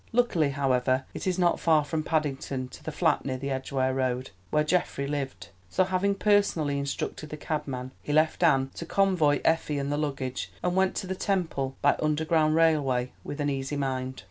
Luckily, however, it is not far from Paddington to the flat near the Edgware Road, where Geoffrey lived, so having personally instructed the cabman, he left Anne to convoy Effie and the luggage, and went on to the Temple by Underground Railway with an easy mind.